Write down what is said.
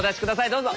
どうぞ。